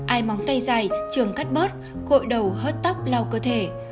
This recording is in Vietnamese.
ai móng tay dài trường cắt bớt gội đầu hớt tóc lao cơ thể